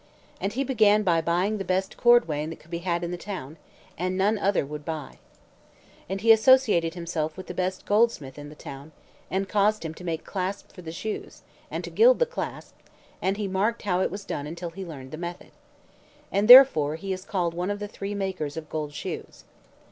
And he began by buying the best cordwain that could be had in the town, and none other would buy. And he associated himself with the best goldsmith in the town, and caused him to make clasps for the shoes, and to gild the clasps; and he marked how it was done until he learned the method. And therefore is he called one of the three makers of gold shoes.